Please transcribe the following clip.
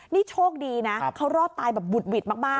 นี่โชคดีนะเขารอดตายแบบบุดหวิดมาก